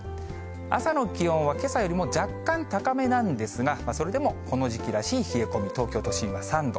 朝の気温はけさよりも若干高めなんですが、それでもこの時期らしい冷え込み、東京都心は３度。